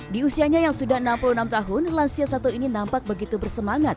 di usianya yang sudah enam puluh enam tahun lansia satu ini nampak begitu bersemangat